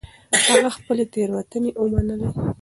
هغه خپلې تېروتنې ومنلې.